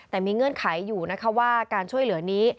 แต่มีเงื่อนไขอยู่นะคะว่าการช่วยเหลือนี้